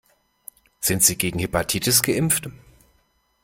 Sind Sie gegen Hepatitis geimpft?